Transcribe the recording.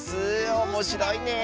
おもしろいね！